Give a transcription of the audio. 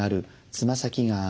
つま先が上がる。